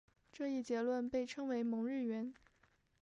这一结论被称为蒙日圆。